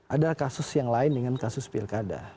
adalah kasus yang lain dengan kasus pirk ada